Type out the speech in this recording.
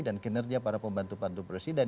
dan kinerja para pembantu pembantu presiden